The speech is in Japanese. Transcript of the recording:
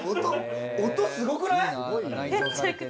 音すごくない？